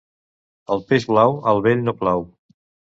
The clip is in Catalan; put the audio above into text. El peix blau al vell no plau.